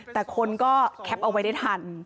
แต่คนก็แคปเอาไว้ได้ทัน